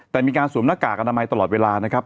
แต่มีการสวมหน้ากากอนามัยตลอดเวลานะครับ